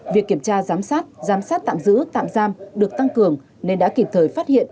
việc kiểm tra giám sát giám sát tạm giữ tạm giam được tăng cường nên đã kịp thời phát hiện